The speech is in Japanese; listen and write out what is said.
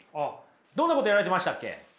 どんなことやられてましたっけ？